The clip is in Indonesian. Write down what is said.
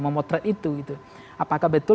memotret itu apakah betul